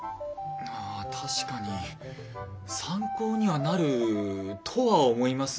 ああ確かに参考にはなるとは思いますが。